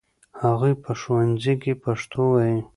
هغوی په ښوونځي کې پښتو وايي.